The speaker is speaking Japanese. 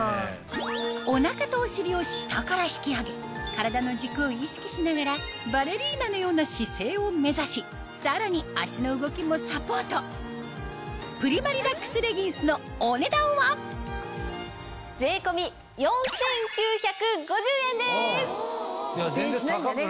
お腹とお尻を下から引き上げ体の軸を意識しながらバレリーナのような姿勢を目指しさらに脚の動きもサポートプリマリラックスレギンスの５０００円しないんだね。